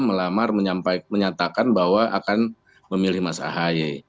melamar menyatakan bahwa akan memilih mas ahy